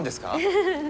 フフフフ。